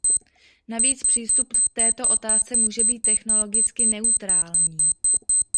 Navíc přístup k této otázce může být technologicky neutrální.